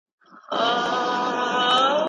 که ماشوم ته ډاډ ورکړل سي نو نه وېرېږي.